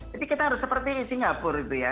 kita harus seperti singapura gitu ya